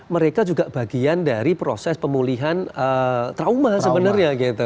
mereka juga bagian dari proses pemulihan trauma sebenarnya gitu